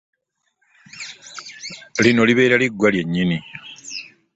Lino libeera liggwa lyennyini.